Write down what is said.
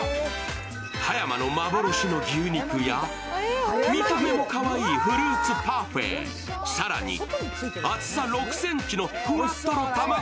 葉山の幻の牛肉や見た目もかわいいフルーツパフェ、更に厚さ６ｃｍのふわとろたまご